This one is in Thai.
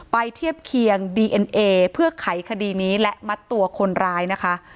เทียบเคียงดีเอ็นเอเพื่อไขคดีนี้และมัดตัวคนร้ายนะคะ